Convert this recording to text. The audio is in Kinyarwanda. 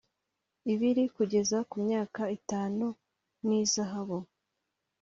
Ibiri kugeza ku myaka itanu n ihazabu